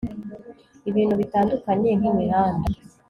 ibintu bitandukanye nk' imihanda